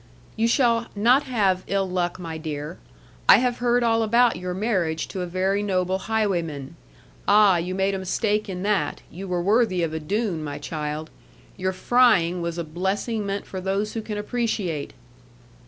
'You shall not have ill luck, my dear. I have heard all about your marriage to a very noble highwayman. Ah, you made a mistake in that; you were worthy of a Doone, my child; your frying was a blessing meant for those who can appreciate.'